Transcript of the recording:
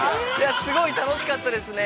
◆すごい楽しかったですね。